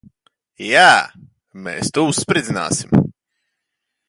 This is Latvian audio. Jā. Mēs to uzspridzināsim.